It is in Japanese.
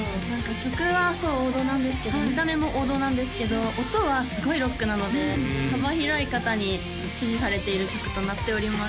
曲はそう王道なんですけど見た目も王道なんですけど音はすごいロックなので幅広い方に支持されている曲となっております